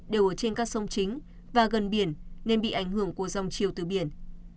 đều ở trên các sông chính và gần biển nên bị ảnh hưởng của dòng chiều từ biển